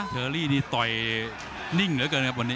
เชอรี่นี่ต่อยนิ่งเหลือเกินครับวันนี้